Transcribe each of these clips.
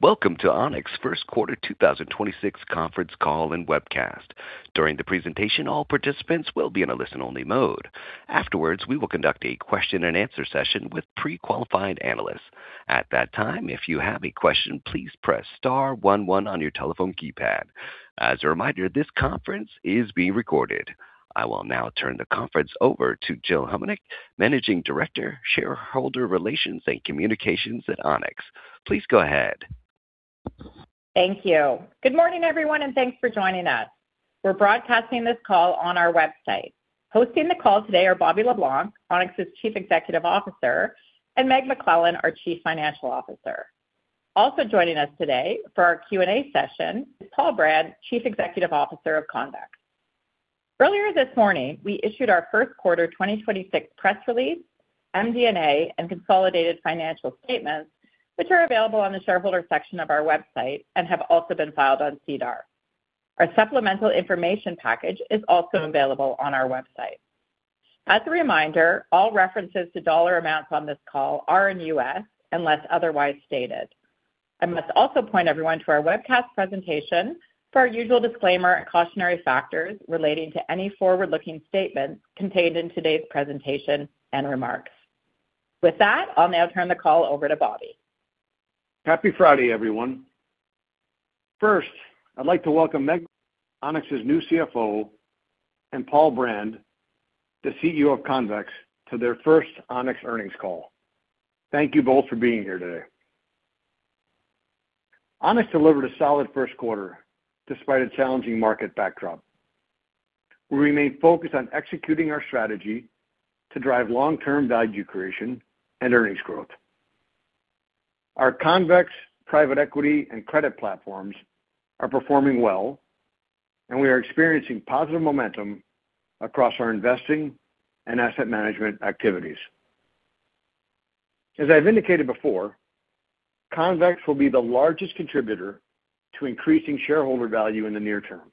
Welcome to Onex First Quarter 2026 conference call and webcast. During the presentation, all participants will be in a listen-only mode. Afterwards, we will conduct a question-and-answer session with pre-qualified analysts. At that time, if you have a question, please press star one one on your telephone keypad. As a reminder, this conference is being recorded. I will now turn the conference over to Jill Homenik, Managing Director, Shareholder Relations and Communications at Onex. Please go ahead. Thank you. Good morning, everyone, and thanks for joining us. We're broadcasting this call on our website. Hosting the call today are Bobby Le Blanc, Onex's Chief Executive Officer, and Meg McClellan, our Chief Financial Officer. Also joining us today for our Q&A session is Paul Brand, Chief Executive Officer of Convex. Earlier this morning, we issued our first quarter 2026 press release, MD&A, and consolidated financial statements, which are available on the shareholder section of our website and have also been filed on SEDAR. Our supplemental information package is also available on our website. As a reminder, all references to dollar amounts on this call are in U.S. unless otherwise stated. I must also point everyone to our webcast presentation for our usual disclaimer and cautionary factors relating to any forward-looking statements contained in today's presentation and remarks. With that, I'll now turn the call over to Bobby. Happy Friday, everyone. First, I'd like to welcome Meg, Onex's new CFO, and Paul Brand, the CEO of Convex, to their first Onex earnings call. Thank you both for being here today. Onex delivered a solid first quarter despite a challenging market backdrop. We remain focused on executing our strategy to drive long-term value creation and earnings growth. Our Convex private equity and credit platforms are performing well, and we are experiencing positive momentum across our investing and asset management activities. As I've indicated before, Convex will be the largest contributor to increasing shareholder value in the near term.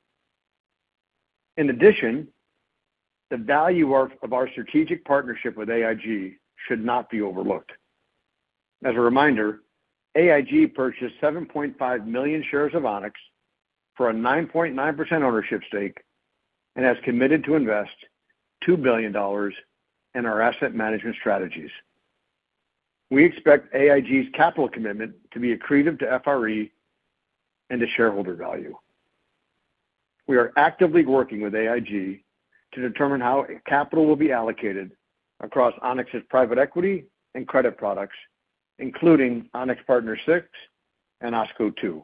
In addition, the value of our strategic partnership with AIG should not be overlooked. As a reminder, AIG purchased 7.5 million shares of Onex for a 9.9% ownership stake and has committed to invest 2 billion dollars in our asset management strategies. We expect AIG's capital commitment to be accretive to FRE and to shareholder value. We are actively working with AIG to determine how capital will be allocated across Onex's private equity and credit products, including Onex Partners VI and OSCO II.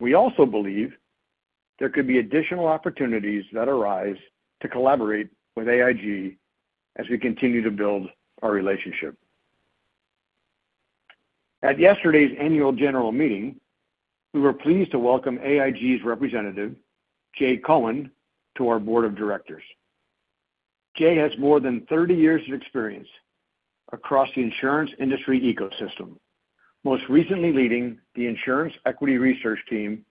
We also believe there could be additional opportunities that arise to collaborate with AIG as we continue to build our relationship. At yesterday's annual general meeting, we were pleased to welcome AIG's representative, Jay Cohen, to our Board of Directors. Jay has more than 30 years of experience across the insurance industry ecosystem, most recently leading the insurance equity research team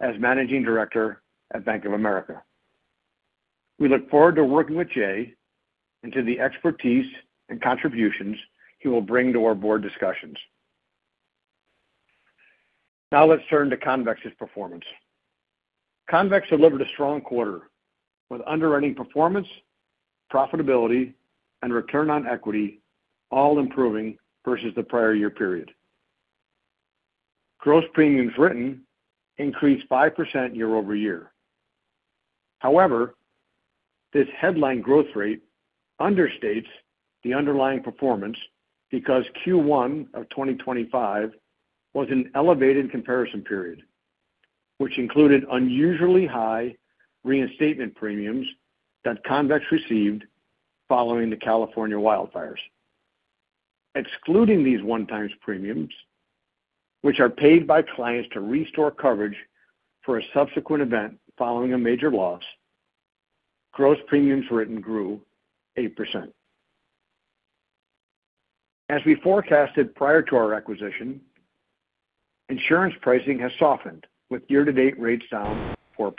as managing director at Bank of America. We look forward to working with Jay and to the expertise and contributions he will bring to our board discussions. Now let's turn to Convex's performance. Convex delivered a strong quarter with underwriting performance, profitability, and return on equity all improving versus the prior year period. Gross premiums written increased 5% year-over-year. However, this headline growth rate understates the underlying performance because Q1 of 2025 was an elevated comparison period, which included unusually high reinstatement premiums that Convex received following the California wildfires. Excluding these one-time premiums, which are paid by clients to restore coverage for a subsequent event following a major loss, gross premiums written grew 8%. As we forecasted prior to our acquisition, insurance pricing has softened with year-to-date rates down 4%.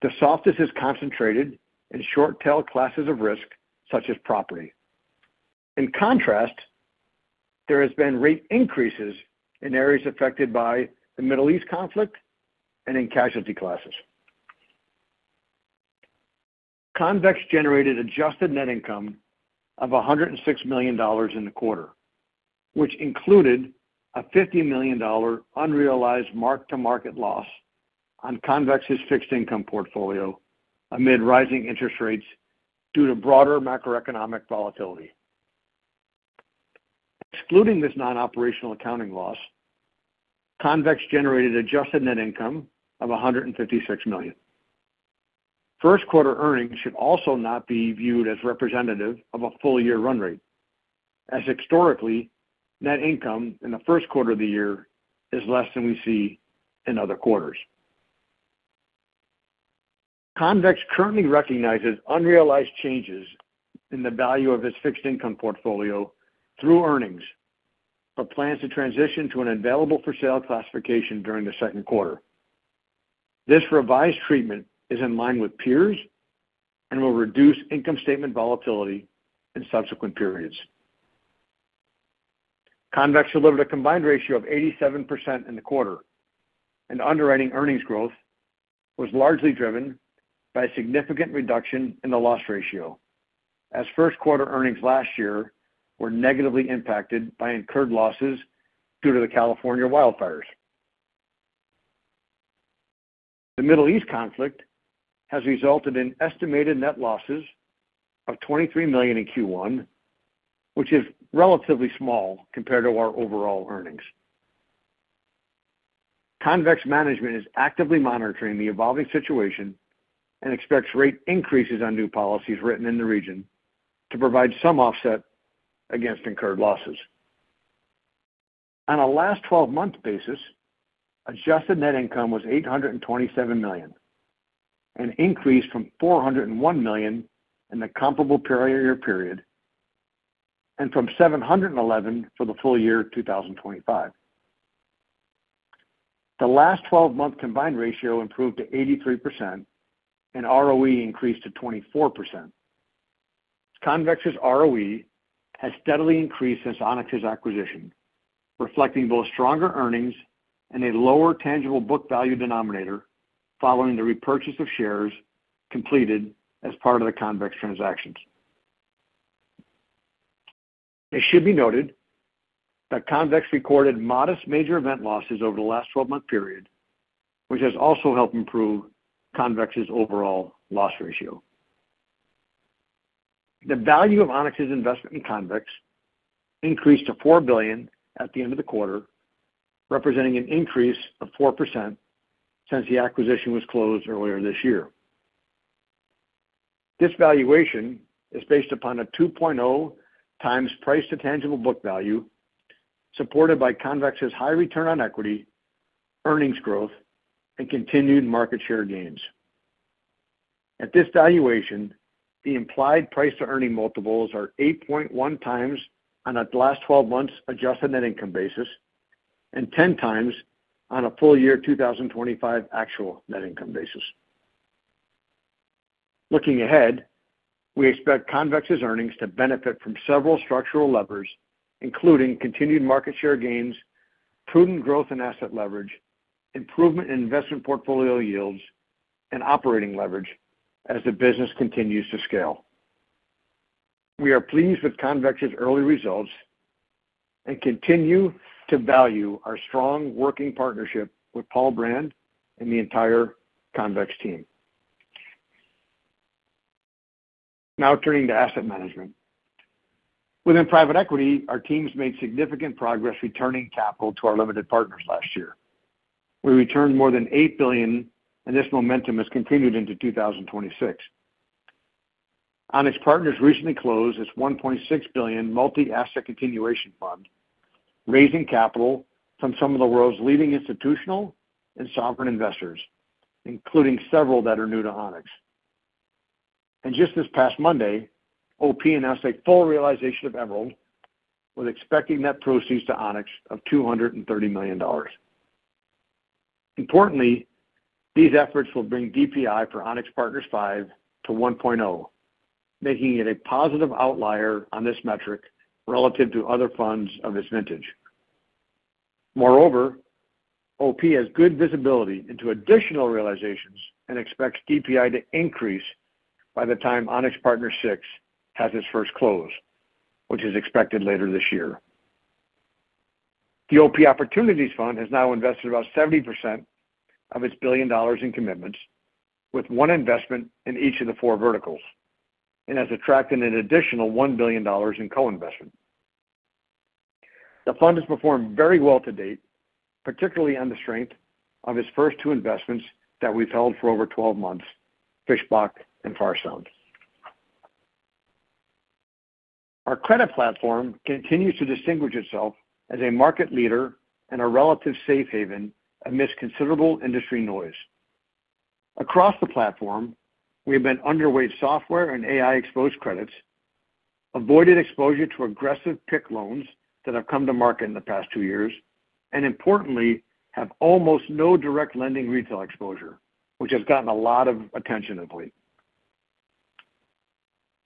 The softness is concentrated in short-tail classes of risk, such as property. In contrast, there has been rate increases in areas affected by the Middle East conflict and in casualty classes. Convex generated adjusted net income of $106 million in the quarter, which included a $50 million unrealized mark-to-market loss on Convex's fixed income portfolio amid rising interest rates due to broader macroeconomic volatility. Excluding this non-operational accounting loss, Convex generated adjusted net income of $156 million. First quarter earnings should also not be viewed as representative of a full year run rate, as historically, net income in the first quarter of the year is less than we see in other quarters. Convex currently recognizes unrealized changes in the value of its fixed income portfolio through earnings, but plans to transition to an available-for-sale classification during the second quarter. This revised treatment is in line with peers and will reduce income statement volatility in subsequent periods. Convex delivered a combined ratio of 87% in the quarter, and underwriting earnings growth was largely driven by a significant reduction in the loss ratio as first quarter earnings last year were negatively impacted by incurred losses due to the California wildfires. The Middle East conflict has resulted in estimated net losses of $23 million in Q1, which is relatively small compared to our overall earnings. Convex management is actively monitoring the evolving situation and expects rate increases on new policies written in the region to provide some offset against incurred losses. On a last twelve-month basis, adjusted net income was $827 million, an increase from $401 million in the comparable prior year period and from $711 for the full year 2025. The last twelve-month combined ratio improved to 83% and ROE increased to 24%. Convex's ROE has steadily increased since Onex's acquisition, reflecting both stronger earnings and a lower tangible book value denominator following the repurchase of shares completed as part of the Convex transactions. It should be noted that Convex recorded modest major event losses over the last 12-month period, which has also helped improve Convex's overall loss ratio. The value of Onex's investment in Convex increased to $4 billion at the end of the quarter, representing an increase of 4% since the acquisition was closed earlier this year. This valuation is based upon a 2.0x price to tangible book value supported by Convex's high return on equity, earnings growth, and continued market share gains. At this valuation, the implied price to earning multiples are 8.1x on a last twelve months adjusted net income basis and 10x on a full year 2025 actual net income basis. Looking ahead, we expect Convex's earnings to benefit from several structural levers, including continued market share gains, prudent growth in asset leverage, improvement in investment portfolio yields, and operating leverage as the business continues to scale. We are pleased with Convex's early results and continue to value our strong working partnership with Paul Brand and the entire Convex team. Now turning to asset management. Within private equity, our teams made significant progress returning capital to our limited partners last year. We returned more than 8 billion, and this momentum has continued into 2026. Onex Partners recently closed its $1.6 billion multi-asset continuation fund, raising capital from some of the world's leading institutional and sovereign investors, including several that are new to Onex. Just this past Monday, OP announced a full realization of Emerald with expecting net proceeds to Onex of $230 million. Importantly, these efforts will bring DPI for Onex Partners V to 1.0, making it a positive outlier on this metric relative to other funds of its vintage. Moreover, OP has good visibility into additional realizations and expects DPI to increase by the time Onex Partners VI has its first close, which is expected later this year. The OP Opportunities Fund has now invested about 70% of its $1 billion in commitments with one investment in each of the four verticals and has attracted an additional $1 billion in co-investment. The fund has performed very well to date, particularly on the strength of its first 2 investments that we've held for over 12 months, Fischbach and Farsound. Our credit platform continues to distinguish itself as a market leader and a relative safe haven amidst considerable industry noise. Across the platform, we have been underweight software and AI exposed credits, avoided exposure to aggressive PIK loans that have come to market in the past 2 years, and importantly, have almost no direct lending retail exposure, which has gotten a lot of attention of late.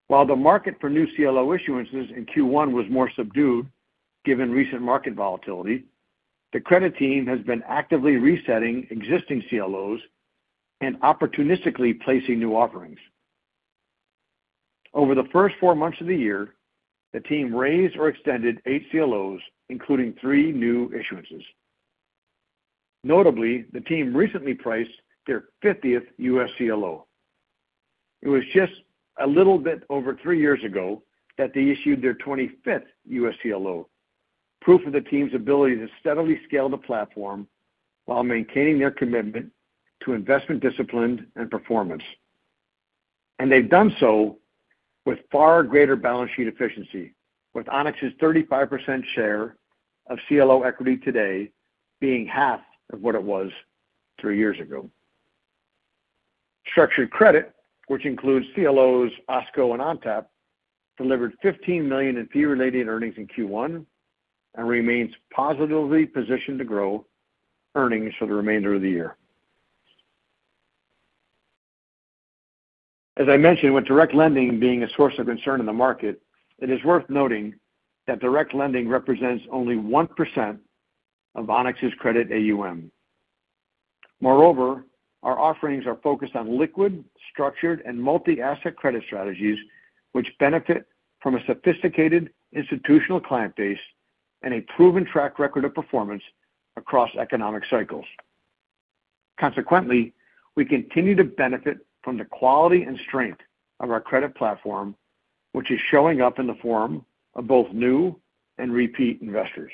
While the market for new CLO issuances in Q1 was more subdued given recent market volatility, the credit team has been actively resetting existing CLOs and opportunistically placing new offerings. Over the first 4 months of the year, the team raised or extended 8 CLOs, including 3 new issuances. Notably, the team recently priced their 50th U.S. CLO. It was just a little bit over 3 years ago that they issued their 25th U.S. CLO, proof of the team's ability to steadily scale the platform while maintaining their commitment to investment discipline and performance. They've done so with far greater balance sheet efficiency, with Onex's 35% share of CLO equity today being half of what it was 3 years ago. Structured credit, which includes CLOs, OSCO and ONCAP, delivered $15 million in fee related earnings in Q1 and remains positively positioned to grow earnings for the remainder of the year. As I mentioned, with direct lending being a source of concern in the market, it is worth noting that direct lending represents only 1% of Onex's credit AUM. Our offerings are focused on liquid, structured and multi-asset credit strategies which benefit from a sophisticated institutional client base and a proven track record of performance across economic cycles. We continue to benefit from the quality and strength of our credit platform, which is showing up in the form of both new and repeat investors.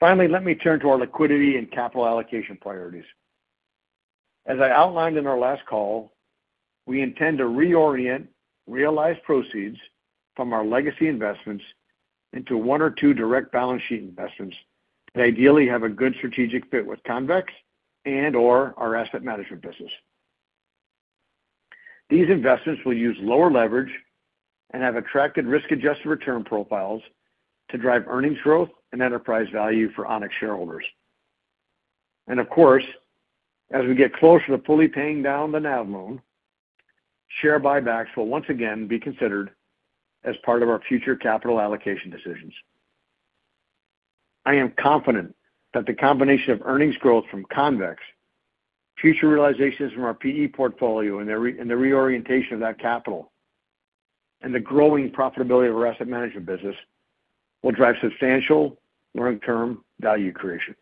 Let me turn to our liquidity and capital allocation priorities. As I outlined in our last call, we intend to reorient realized proceeds from our legacy investments into 1 or 2 direct balance sheet investments that ideally have a good strategic fit with Convex and or our asset management business. These investments will use lower leverage and have attractive risk-adjusted return profiles to drive earnings growth and enterprise value for Onex shareholders. Of course, as we get closer to fully paying down the NAV loan, share buybacks will once again be considered as part of our future capital allocation decisions. I am confident that the combination of earnings growth from Convex, future realizations from our PE portfolio and the reorientation of that capital, and the growing profitability of our asset management business will drive substantial long-term value creation.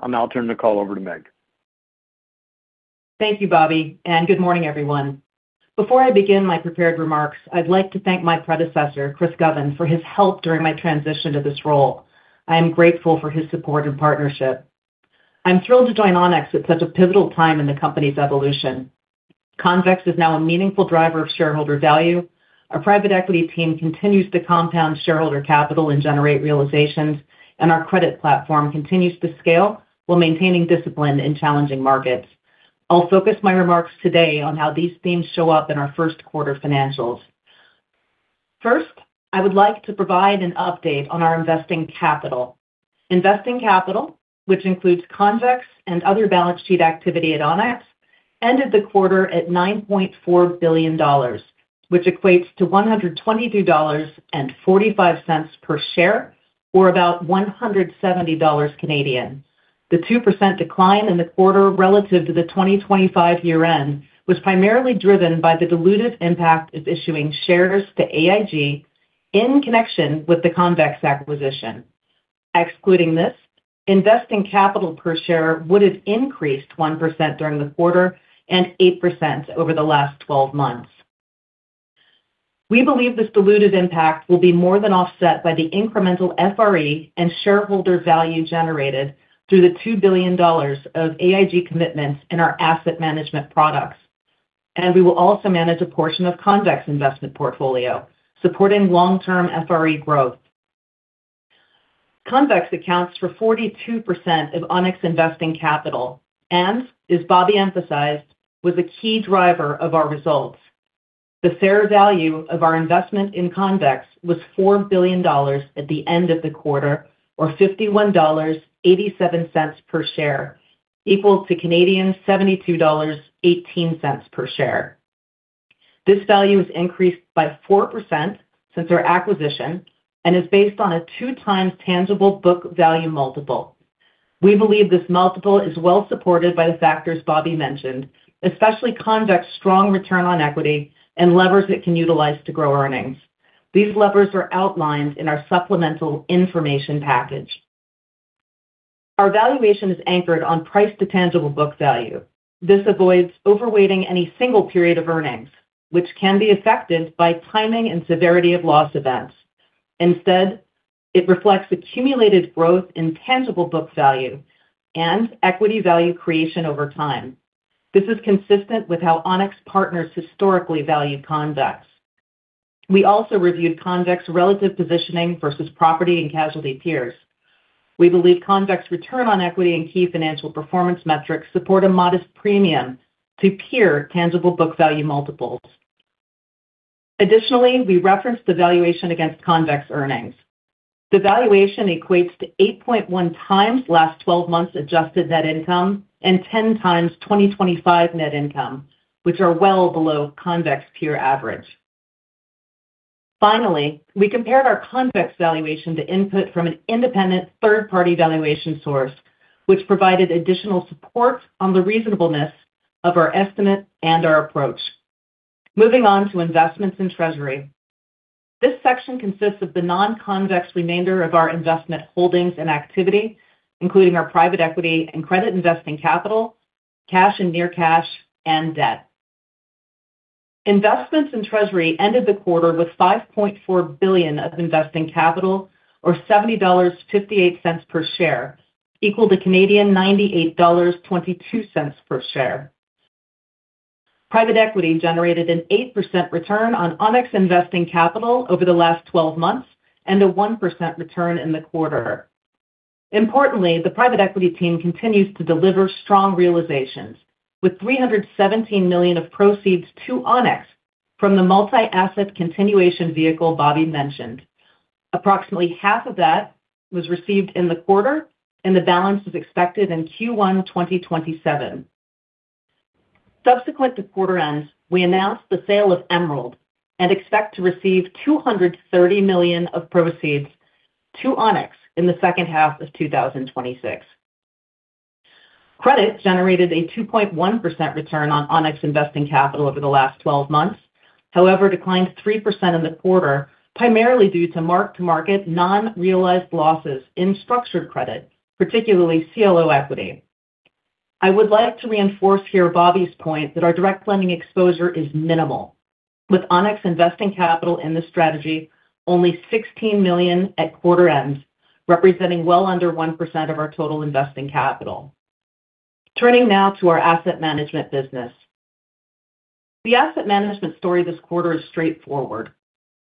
I'll now turn the call over to Meg. Thank you, Bobby, and good morning, everyone. Before I begin my prepared remarks, I'd like to thank my predecessor, Chris Govan, for his help during my transition to this role. I am grateful for his support and partnership. I'm thrilled to join Onex at such a pivotal time in the company's evolution. Convex is now a meaningful driver of shareholder value. Our private equity team continues to compound shareholder capital and generate realizations, and our credit platform continues to scale while maintaining discipline in challenging markets. I'll focus my remarks today on how these themes show up in our first quarter financials. First, I would like to provide an update on our investing capital. Investing capital, which includes Convex and other balance sheet activity at Onex, ended the quarter at $9.4 billion, which equates to $122.45 per share or about 170 Canadian dollars. The 2% decline in the quarter relative to the 2025 year-end was primarily driven by the dilutive impact of issuing shares to AIG in connection with the Convex acquisition. Excluding this, investing capital per share would have increased 1% during the quarter and 8% over the last 12 months. We believe this dilutive impact will be more than offset by the incremental FRE and shareholder value generated through the $2 billion of AIG commitments in our asset management products. We will also manage a portion of Convex investment portfolio, supporting long-term FRE growth. Convex accounts for 42% of Onex investing capital and, as Bobby emphasized, was a key driver of our results. The fair value of our investment in Convex was $4 billion at the end of the quarter, or $51.87 per share, equal to 72.18 Canadian dollars per share. This value has increased by 4% since our acquisition and is based on a 2x tangible book value multiple. We believe this multiple is well supported by the factors Bobby mentioned, especially Convex's strong ROE and levers it can utilize to grow earnings. These levers are outlined in our supplemental information package. Our valuation is anchored on price to tangible book value. This avoids overweighting any single period of earnings, which can be affected by timing and severity of loss events. Instead, it reflects accumulated growth in tangible book value and equity value creation over time. This is consistent with how Onex Partners historically valued Convex. We also reviewed Convex relative positioning versus property and casualty peers. We believe Convex return on equity and key financial performance metrics support a modest premium to peer tangible book value multiples. Additionally, we referenced the valuation against Convex earnings. The valuation equates to 8.1 times last twelve months adjusted net income and 10 times 2025 net income, which are well below Convex peer average. Finally, we compared our Convex valuation to input from an independent third-party valuation source, which provided additional support on the reasonableness of our estimate and our approach. Moving on to investments in treasury. This section consists of the non-Convex remainder of our investment holdings and activity, including our private equity and credit investing capital, cash and near cash and debt. Investments in treasury ended the quarter with $5.4 billion of investing capital or $70.58 per share equal to 98.22 Canadian dollars per share. Private equity generated an 8% return on Onex investing capital over the last 12 months and a 1% return in the quarter. Importantly, the private equity team continues to deliver strong realizations with $317 million of proceeds to Onex from the multi-asset continuation vehicle Bobby mentioned. Approximately half of that was received in the quarter, and the balance is expected in Q1, 2027. Subsequent to quarter end, we announced the sale of Emerald and expect to receive $230 million of proceeds to Onex in the second half of 2026. Credit generated a 2.1% return on Onex investing capital over the last 12 months. Declined 3% in the quarter, primarily due to mark-to-market non-realized losses in structured credit, particularly CLO equity. I would like to reinforce here Bobby's point that our direct lending exposure is minimal, with Onex investing capital in this strategy only $16 million at quarter end, representing well under 1% of our total investing capital. Turning now to our asset management business. The asset management story this quarter is straightforward.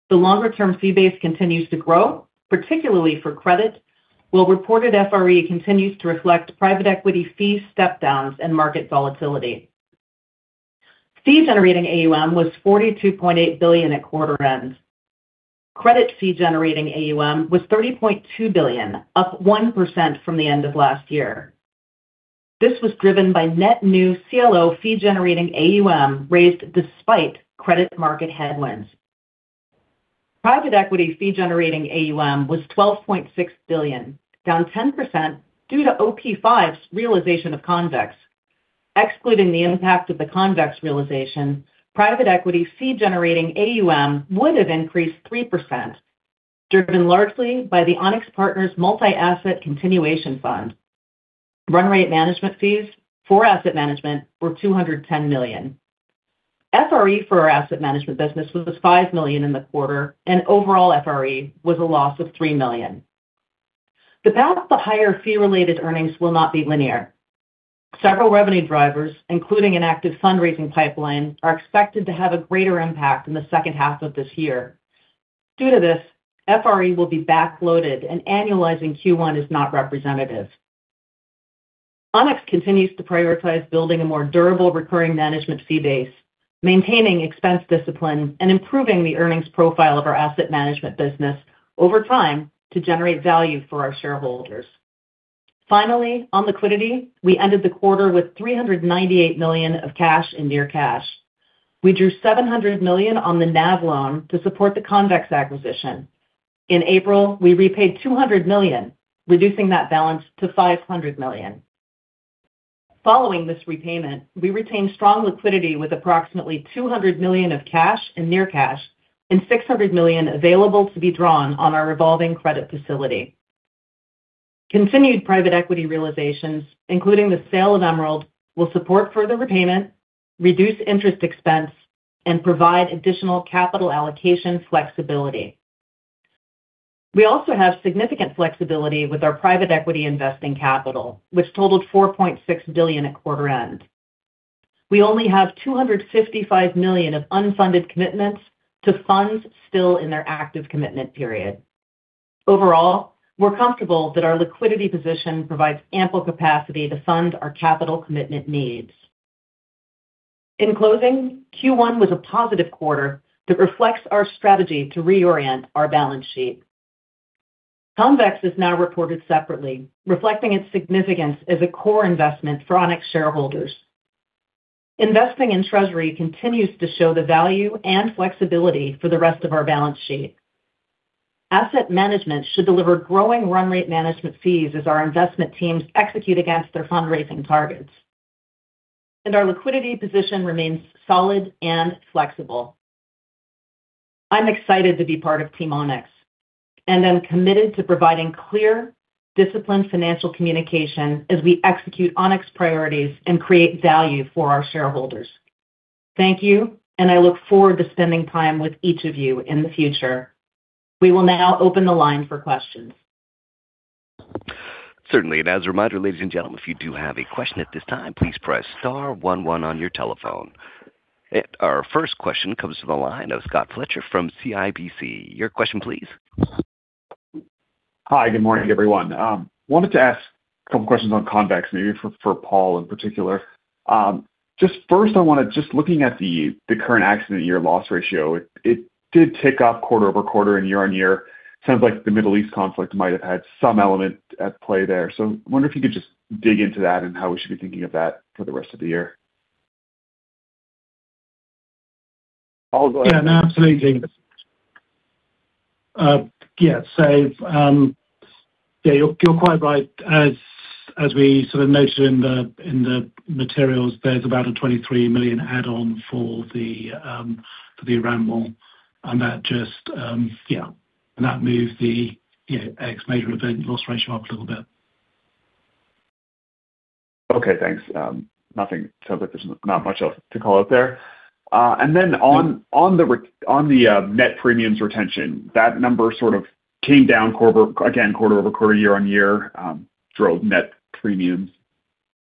The longer-term fee base continues to grow, particularly for credit, while reported FRE continues to reflect private equity fees, step downs, and market volatility. Fee-generating AUM was $42.8 billion at quarter end. Credit fee generating AUM was $30.2 billion, up 1% from the end of last year. This was driven by net new CLO fee-generating AUM raised despite credit market headwinds. Private equity fee-generating AUM was $12.6 billion, down 10% due to Onex Partners V's realization of Convex. Excluding the impact of the Convex realization, private equity fee-generating AUM would have increased 3%, driven largely by the Onex Partners multi-asset continuation fund. Run rate management fees for asset management were $210 million. FRE for our asset management business was $5 million in the quarter, and overall FRE was a loss of $3 million. The path to higher fee-related earnings will not be linear. Several revenue drivers, including an active fundraising pipeline, are expected to have a greater impact in the second half of this year. Due to this, FRE will be backloaded and annualizing Q1 is not representative. Onex continues to prioritize building a more durable recurring management fee base, maintaining expense discipline, and improving the earnings profile of our asset management business over time to generate value for our shareholders. Finally, on liquidity, we ended the quarter with $398 million of cash and near cash. We drew $700 million on the NAV loan to support the Convex acquisition. In April, we repaid $200 million, reducing that balance to $500 million. Following this repayment, we retained strong liquidity with approximately $200 million of cash and near cash and $600 million available to be drawn on our revolving credit facility. Continued private equity realizations, including the sale of Emerald, will support further repayment, reduce interest expense, and provide additional capital allocation flexibility. We also have significant flexibility with our private equity investing capital, which totaled $4.6 billion at quarter end. We only have $255 million of unfunded commitments to funds still in their active commitment period. Overall, we're comfortable that our liquidity position provides ample capacity to fund our capital commitment needs. In closing, Q1 was a positive quarter that reflects our strategy to reorient our balance sheet. Convex is now reported separately, reflecting its significance as a core investment for Onex shareholders. Investing in Treasury continues to show the value and flexibility for the rest of our balance sheet. Asset management should deliver growing run rate management fees as our investment teams execute against their fundraising targets. Our liquidity position remains solid and flexible. I'm excited to be part of team Onex, and I'm committed to providing clear, disciplined financial communication as we execute Onex priorities and create value for our shareholders. Thank you, and I look forward to spending time with each of you in the future. We will now open the line for questions. Certainly. As a reminder, ladies and gentlemen, if you do have a question at this time, please press star one one on your telephone. Our first question comes from the line of Scott Fletcher from CIBC. Your question please. Hi, good morning, everyone. wanted to ask a couple questions on Convex, maybe for Paul in particular. just first, I wanna just looking at the current accident year loss ratio, it did tick up quarter-over-quarter and year-on-year. Sounds like the Middle East conflict might have had some element at play there. I wonder if you could just dig into that and how we should be thinking of that for the rest of the year. Paul, go ahead. Yeah, no, absolutely. You're quite right. As we sort of noted in the materials, there's about a $23 million add-on for the Iran war. That just moved the, you know, ex major event loss ratio up a little bit. Okay, thanks. Sounds like there's not much else to call out there. On the net premiums retention, that number sort of came down again, quarter-over-quarter, year-on-year, drove net premiums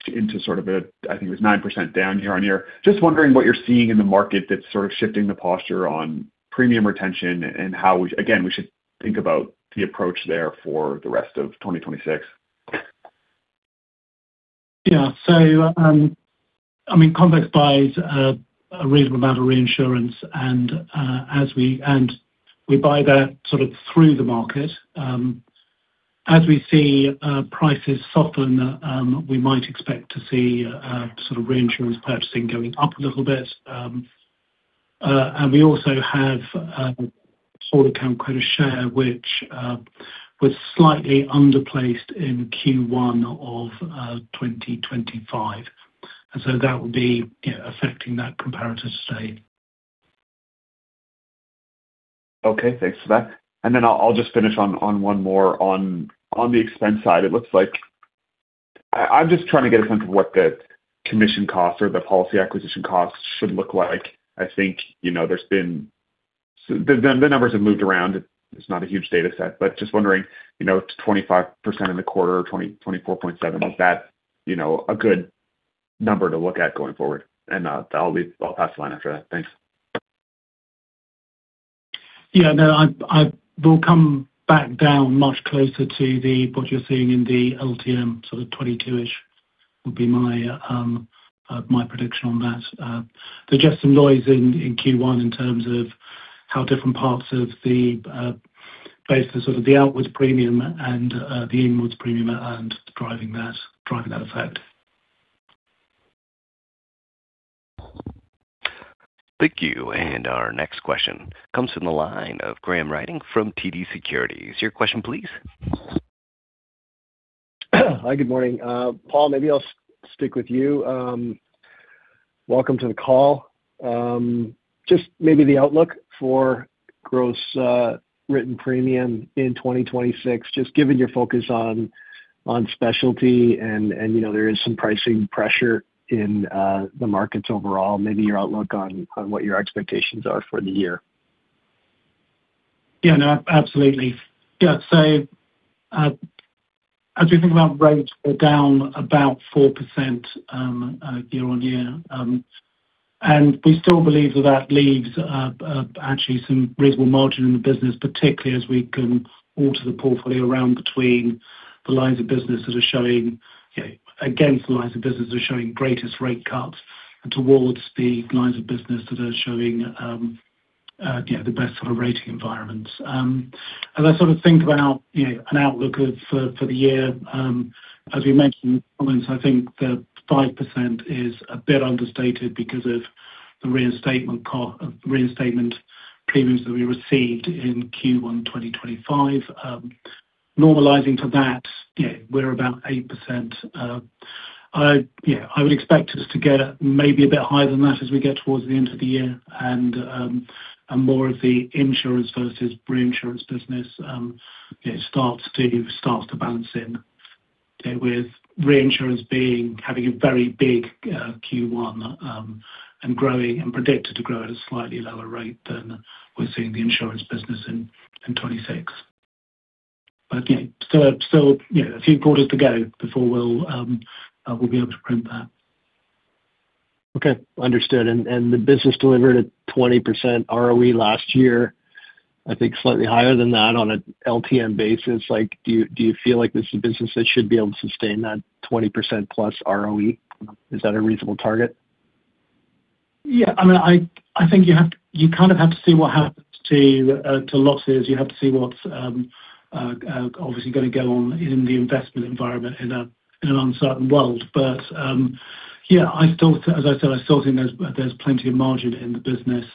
into sort of a, I think it was 9% down year-on-year. Just wondering what you're seeing in the market that's sort of shifting the posture on premium retention and how we again, we should think about the approach there for the rest of 2026. I mean, Convex buys a reasonable amount of reinsurance as we buy that sort of through the market. As we see prices soften, we might expect to see sort of reinsurance purchasing going up a little bit. We also have whole account credit share, which was slightly underplaced in Q1 of 2025. That would be, you know, affecting that comparative state. Okay. Thanks for that. I'll just finish on one more on the expense side. It looks like I'm just trying to get a sense of what the commission costs or the policy acquisition costs should look like. I think, you know, there's been the numbers have moved around. It's not a huge data set. Just wondering, you know, 25% in the quarter or 24.7%. Is that, you know, a good number to look at going forward? I'll pass the line after that. Thanks. Yeah. No, we'll come back down much closer to the, what you're seeing in the LTM, sort of 22-ish would be my prediction on that. Just some noise in Q1 in terms of how different parts of the places sort of the outwards premium and the inwards premium are driving that effect. Thank you. Our next question comes from the line of Graham Ryding from TD Securities. Your question, please. Hi, good morning. Paul, maybe I'll stick with you. Welcome to the call. Just maybe the outlook for gross written premium in 2026, just given your focus on specialty and, you know, there is some pricing pressure in the markets overall, maybe your outlook on what your expectations are for the year. No, absolutely. As we think about rates, we're down about 4% year-on-year. We still believe that that leaves actually some reasonable margin in the business, particularly as we can alter the portfolio around between the lines of business that are showing, you know, against the lines of business that are showing greatest rate cuts and towards the lines of business that are showing, you know, the best sort of rating environments. As I sort of think about, you know, an outlook for the year, as we mentioned, I think the 5% is a bit understated because of the reinstatement premiums that we received in Q1 2025. Normalizing to that, you know, we're about 8%. I, you know, I would expect us to get maybe a bit higher than that as we get towards the end of the year and more of the insurance versus reinsurance business, it starts to balance in with reinsurance having a very big Q1, and growing and predicted to grow at a slightly lower rate than we're seeing the insurance business in 2026. Yeah, still, you know, a few quarters to go before we'll be able to prove that. Okay. Understood. The business delivered a 20% ROE last year. I think slightly higher than that on an LTM basis. Like, do you feel like this is a business that should be able to sustain that 20% plus ROE? Is that a reasonable target? Yeah. I mean, I think you kind of have to see what happens to losses. You have to see what's obviously going to go on in the investment environment in an uncertain world. Yeah, I still, as I said, I still think there's plenty of margin in the business.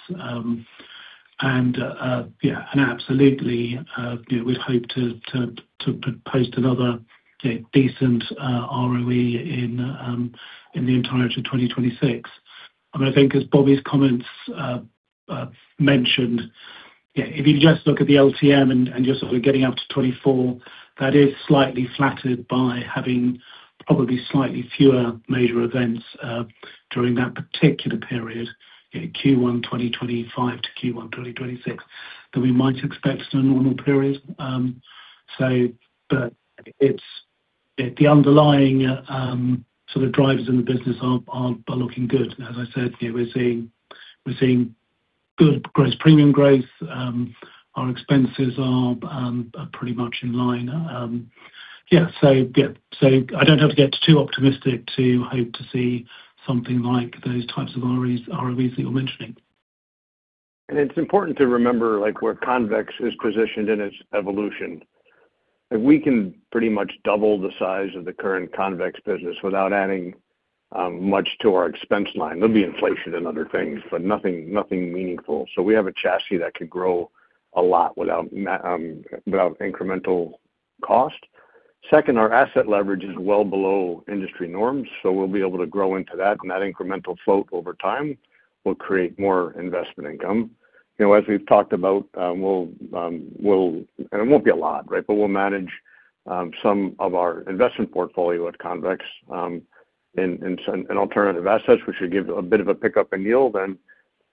Absolutely, you know, we hope to post another, you know, decent ROE in the entirety of 2026. I mean, I think as Bobby's comments mentioned, yeah, if you just look at the LTM and just sort of getting up to 24, that is slightly flattered by having probably slightly fewer major events during that particular period in Q1 2025 to Q1 2026 than we might expect in a normal period. The underlying sort of drivers in the business are looking good. As I said, you know, we're seeing good gross premium growth. Our expenses are pretty much in line. I don't have to get too optimistic to hope to see something like those types of ROEs that you're mentioning. It's important to remember, like, where Convex is positioned in its evolution. If we can pretty much double the size of the current Convex business without adding much to our expense line. There'll be inflation and other things, but nothing meaningful. We have a chassis that could grow a lot without incremental cost. Second, our asset leverage is well below industry norms, so we'll be able to grow into that, and that incremental float over time will create more investment income. You know, as we've talked about, we'll and it won't be a lot, right? We'll manage some of our investment portfolio at Convex in alternative assets, which should give a bit of a pickup in yield then.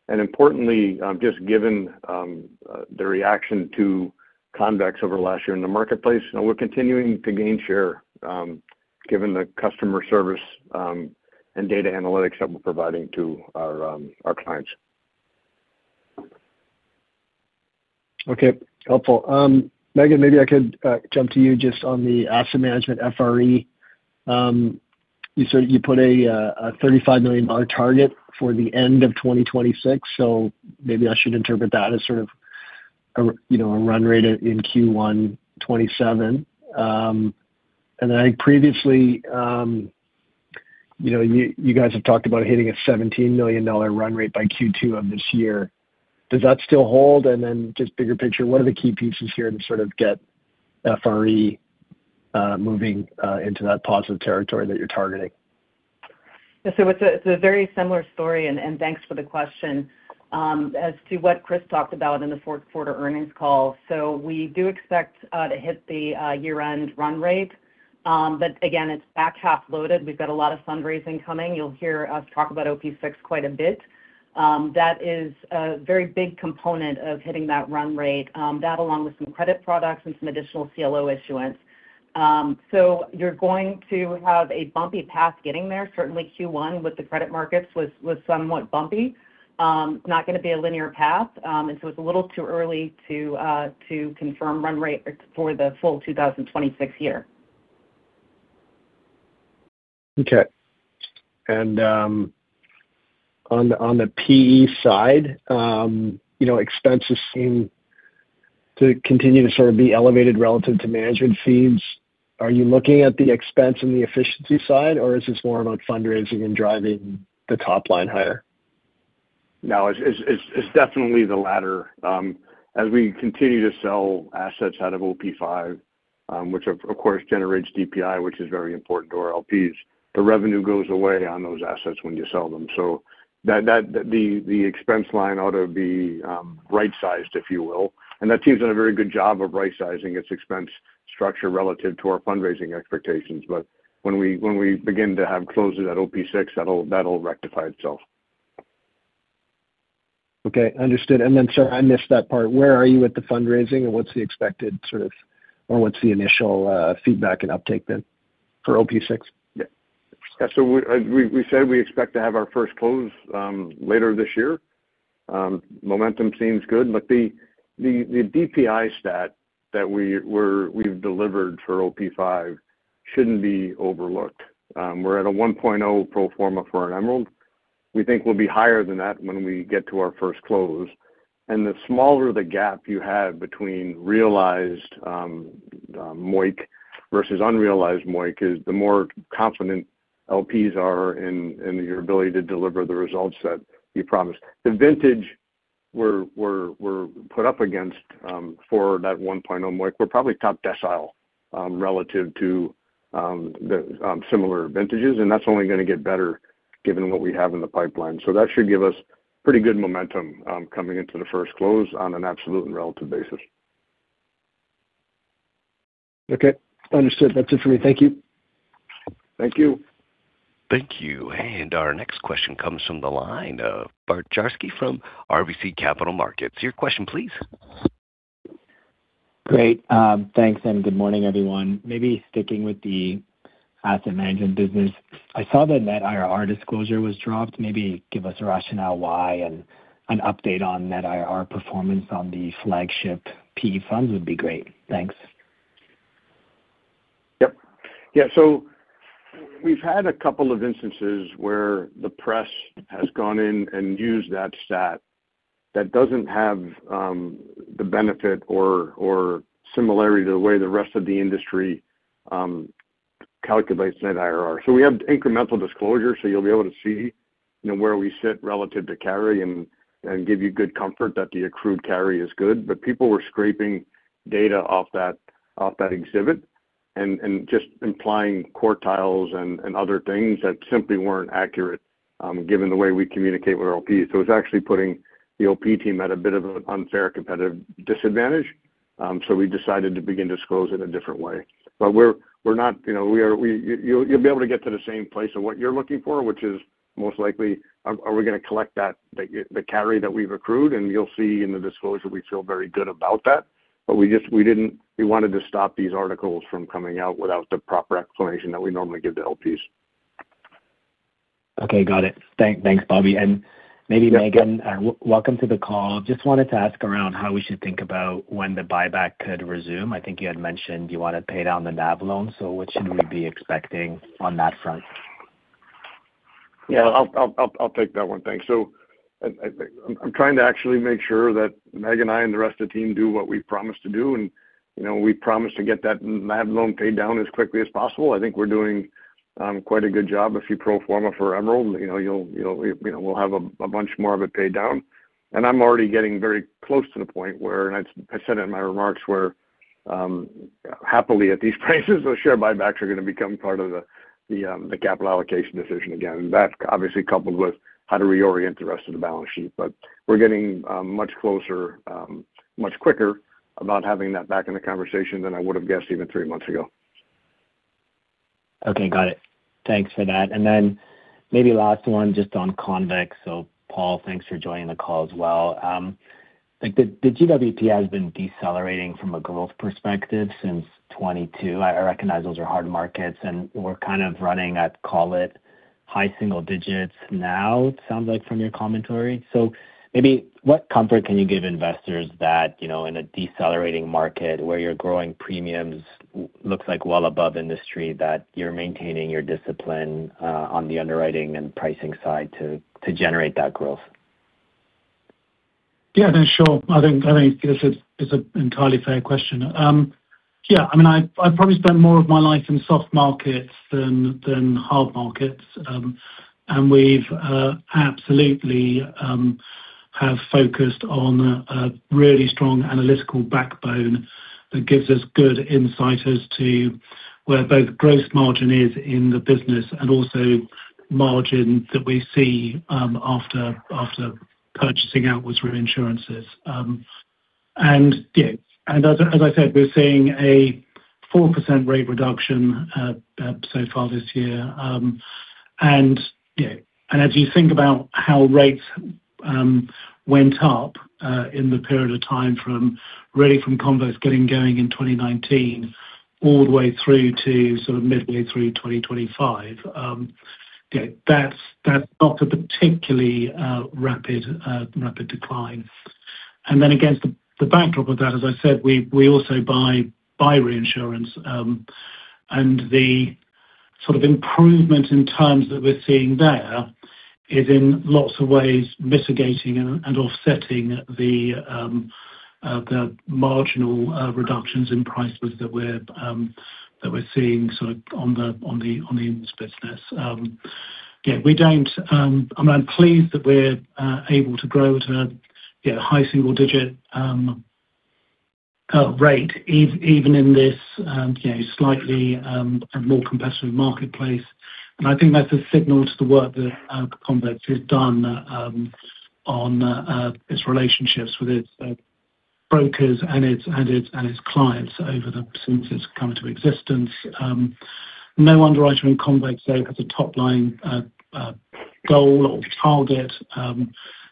Importantly, just given the reaction to Convex over the last year in the marketplace, you know, we're continuing to gain share, given the customer service and data analytics that we're providing to our clients. Okay. Helpful. Megan, maybe I could jump to you just on the asset management FRE. You said you put a $35 million target for the end of 2026, maybe I should interpret that as sort of a you know, a run rate in Q1 2027. Previously, you know, you guys have talked about hitting a $17 million run rate by Q2 of this year. Does that still hold? Then just bigger picture, what are the key pieces here to sort of get FRE moving into that positive territory that you're targeting? It's a very similar story, and thanks for the question. As to what Chris talked about in the fourth quarter earnings call. We do expect to hit the year-end run rate. Again, it's back half loaded. We've got a lot of fundraising coming. You'll hear us talk about OP VI quite a bit. That is a very big component of hitting that run rate. That along with some credit products and some additional CLO issuance. You're going to have a bumpy path getting there. Certainly Q1 with the credit markets was somewhat bumpy. Not gonna be a linear path. It's a little too early to confirm run rate for the full 2026 year. Okay. On the PE side, you know, expenses seem to continue to sort of be elevated relative to management fees. Are you looking at the expense and the efficiency side, or is this more about fundraising and driving the top line higher? No, it's definitely the latter. As we continue to sell assets out of OP Five, which of course generates DPI, which is very important to our LPs, the revenue goes away on those assets when you sell them. The expense line ought to be right-sized, if you will. That team's done a very good job of right-sizing its expense structure relative to our fundraising expectations. When we begin to have closes at OP VI, that'll rectify itself. Okay. Understood. Then, sir, I missed that part. Where are you with the fundraising, and what's the expected or what's the initial feedback and uptake then for OP VI? We said we expect to have our first close later this year. Momentum seems good. The DPI stat that we've delivered for OP V shouldn't be overlooked. We're at a 1.0 pro forma for an Emerald. We think we'll be higher than that when we get to our first close. The smaller the gap you have between realized MOIC versus unrealized MOIC is the more confident LPs are in your ability to deliver the results that you promised. The vintage we're put up against for that 1.0 MOIC, we're probably top decile relative to similar vintages, that's only gonna get better given what we have in the pipeline. That should give us pretty good momentum, coming into the first close on an absolute and relative basis. Okay. Understood. That's it for me. Thank you. Thank you. Thank you. Our next question comes from the line of Geoffrey Belsher from RBC Capital Markets. Your question please. Great. Thanks, and good morning, everyone. Maybe sticking with the asset management business. I saw the net IRR disclosure was dropped. Maybe give us a rationale why and an update on net IRR performance on the flagship PE funds would be great. Thanks. Yep. Yeah. We've had 2 instances where the press has gone in and used that stat that doesn't have the benefit or similarity to the way the rest of the industry calculates net IRR. We have incremental disclosure, you'll be able to see, you know, where we sit relative to carry and give you good comfort that the accrued carry is good. People were scraping data off that, off that exhibit and just implying quartiles and other things that simply weren't accurate given the way we communicate with our LPs. It's actually putting the OP team at a bit of an unfair competitive disadvantage. We decided to begin disclose in a different way. We're not, you know, we are, you'll be able to get to the same place of what you're looking for, which is most likely are we going to collect that the carry that we've accrued? You'll see in the disclosure we feel very good about that. We didn't want to stop these articles from coming out without the proper explanation that we normally give to LPs. Okay. Got it. Thanks, Bobby. Maybe Megan, welcome to the call. Just wanted to ask around how we should think about when the buyback could resume. I think you had mentioned you want to pay down the NAV loan, so what should we be expecting on that front? Yeah, I'll take that one. Thanks. I'm trying to actually make sure that Meg and I and the rest of the team do what we've promised to do. You know, we promised to get that NAV loan paid down as quickly as possible. I think we're doing quite a good job. If you pro forma for Emerald, you know, you'll know, we'll have a bunch more of it paid down. I'm already getting very close to the point where I said it in my remarks. Happily at these prices, the share buybacks are gonna become part of the capital allocation decision again. That's obviously coupled with how to reorient the rest of the balance sheet. We're getting much closer, much quicker about having that back in the conversation than I would've guessed even three months ago. Okay, got it. Thanks for that. Maybe last one just on Convex. Paul, thanks for joining the call as well. Like the GWP has been decelerating from a growth perspective since 2022. I recognize those are hard markets, and we're kind of running at, call it, high single digits now, it sounds like from your commentary. Maybe what comfort can you give investors that, you know, in a decelerating market where your growing premiums looks like well above industry, that you're maintaining your discipline on the underwriting and pricing side to generate that growth? Yeah, no, sure. I think this is an entirely fair question. Yeah, I mean, I probably spent more of my life in soft markets than hard markets. We've absolutely have focused on a really strong analytical backbone that gives us good insight as to where both gross margin is in the business and also margin that we see after purchasing outwards reinsurance. Yeah. As I said, we're seeing a 4% rate reduction so far this year. Yeah. As you think about how rates went up in the period of time from really from Convex getting going in 2019 all the way through to sort of midway through 2025, you know, that's not a particularly rapid decline. Against the backdrop of that, as I said, we also buy reinsurance. The sort of improvement in terms that we're seeing there is in lots of ways mitigating and offsetting the marginal reductions in prices that we're that we're seeing on the ins business. We don't, I mean, I'm pleased that we're able to grow to, you know, high single-digit rate even in this, you know, slightly more competitive marketplace. I think that's a signal to the work that Convex has done on its relationships with its brokers and its clients since it's come to existence. No underwriter in Convex, though, has a top line goal or target. You know,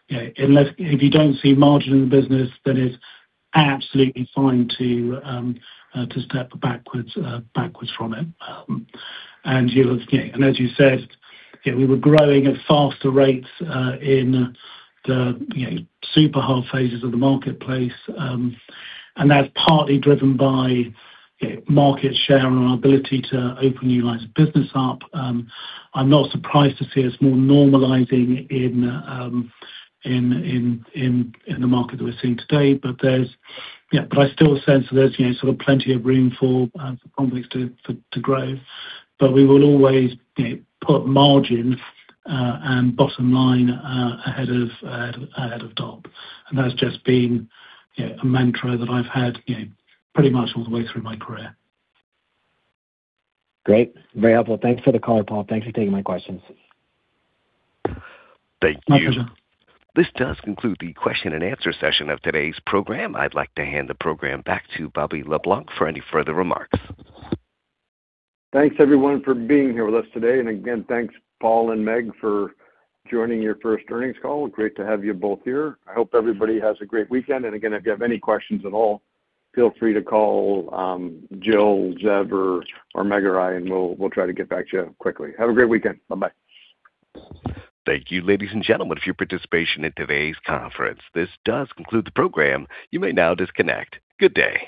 unless if you don't see margin in the business, then it's absolutely fine to step backwards from it. You know, and as you said, you know, we were growing at faster rates in the, you know, super hard phases of the marketplace. That's partly driven by, you know, market share and our ability to open new lines of business up. I'm not surprised to see us more normalizing in the market that we're seeing today. There's Yeah, but I still sense there's, you know, sort of plenty of room for Convex to grow. We will always, you know, put margin and bottom line ahead of DOP. That's just been, you know, a mantra that I've had, you know, pretty much all the way through my career. Great. Very helpful. Thanks for the call, Paul. Thanks for taking my questions. Thank you. My pleasure. This does conclude the question and answer session of today's program. I'd like to hand the program back to Bobby Le Blanc for any further remarks. Thanks everyone for being here with us today. Thanks Paul and Megan for joining your first earnings call. Great to have you both here. I hope everybody has a great weekend. Again, if you have any questions at all, feel free to call Jill, Zev, or Megan or I, and we'll try to get back to you quickly. Have a great weekend. Bye-bye. Thank you, ladies and gentlemen, for your participation in today's conference. This does conclude the program. You may now disconnect. Good day.